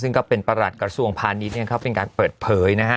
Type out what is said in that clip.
ซึ่งก็เป็นประหลัดกระทรวงภาณีเป็นการเปิดเผย